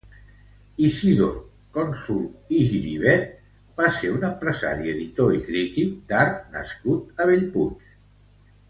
Isidor Cònsul i Giribet va ser un empresari, editor i crític d'art nascut a Bellpuig.